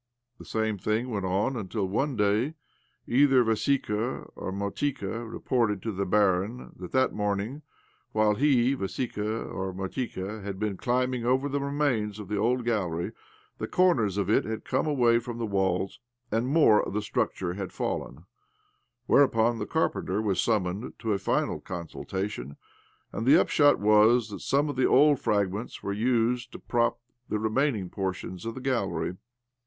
The same thing went on until, one day, either Vassika or Motika re ported to the barin that that morning, while he (Vassika or Motika) had been climbing 128 OBLOMOV over the remains of the old gallery, the comers of it had come away from the walls, and more of the structure had fallen ; where upon the carpenter was summoned to a final consultation, and the upshot was that some of the old fragments were used to prop the remaining portions of the gallery.